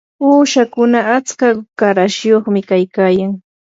uushakuna atska qarashyuqmi kaykayan.